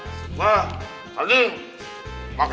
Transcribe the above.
neng pakai bakso bakso